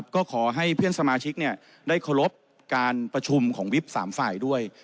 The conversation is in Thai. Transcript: ก็ขอให้เพื่อนสมาชิกได้เคารพการประชุมของวิบ๓ฝ่ายด้วย